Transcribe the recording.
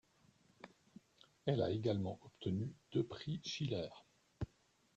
Elle a également obtenu deux Prix Schiller.